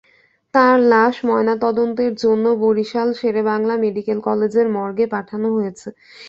তাঁর লাশ ময়নাতদন্তের জন্য বরিশাল শেরেবাংলা মেডিকেল কলেজ মর্গে পাঠানো হয়েছে।